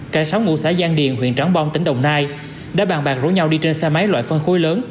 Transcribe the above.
cả sáu ngụ xã giang điền huyện trảng bom tỉnh đồng nai đã bàn bạc rủ nhau đi trên xe máy loại phân khối lớn